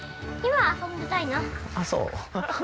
あっそう？